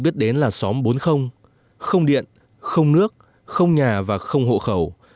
biết đến là xóm bốn không điện không nước không nhà và không hộ khẩu